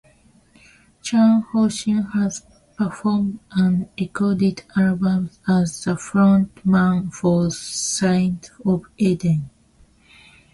Cian Houchin has performed and recorded albums as the frontman for Saints of Eden.